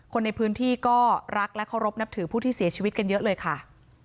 คนในพื้นที่ก็รักและเคารพนับถือผู้ที่เสียชีวิตกันเยอะเลยค่ะ